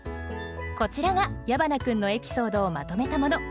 こちらが矢花君のエピソードをまとめたもの。